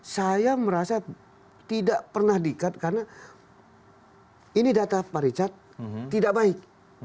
saya merasa tidak pernah diikat karena ini data pak richard tidak baik